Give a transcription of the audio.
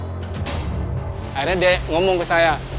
akhirnya dia ngomong ke saya